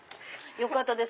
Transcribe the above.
よかったです。